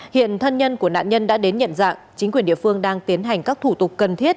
hiện thân nhân của nạn nhân đã đến nhận dạng chính quyền địa phương đang tiến hành các thủ tục cần thiết